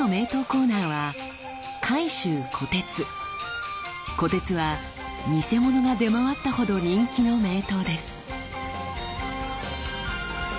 コーナーは虎徹は偽物が出回ったほど人気の名刀です。